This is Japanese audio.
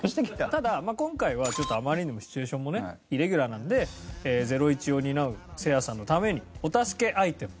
ただ今回はあまりにもシチュエーションもねイレギュラーなので０１を担うセイヤさんのためにお助けアイテム。